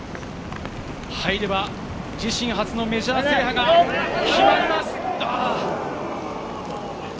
入れば自身初のメジャー制覇が決まります！